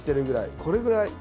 これぐらい。